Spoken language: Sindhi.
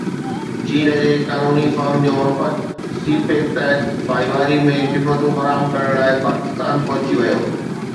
چين جي قانوني فرم جو وفد سي پيڪ تحت ڀائيواري ۾ خدمتون فراهم ڪرڻ لاءِ پاڪستان پهچي ويو